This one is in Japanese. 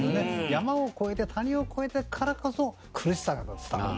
山を越えて谷を越えてからこそ苦しさが伝わる。